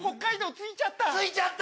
着いちゃった！